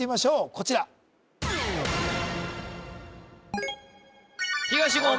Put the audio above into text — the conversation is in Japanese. こちら東言お